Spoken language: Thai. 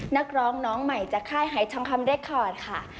นักร้องน้องใหม่จากค่ายหายทองคำเรคคอร์ดค่ะ